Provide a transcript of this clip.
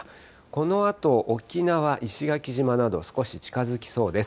このあと、沖縄、石垣島など、少し近づきそうです。